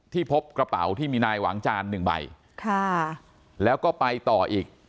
พบกระเป๋าที่มีนายหวังจานหนึ่งใบค่ะแล้วก็ไปต่ออีก